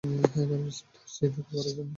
Hyper speed, আসছি দেখা করার জন্য।